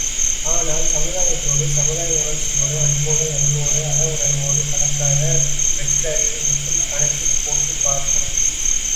ஆனால், சமுதாயத்தோடு சமுதாய உணர்ச்சியோடு அன்போடு அருளோடு அற உணர்வோடு கலக்காத வெற்றறிவு எப்படிக் கணக்குப் போட்டுப் பார்க்கும்?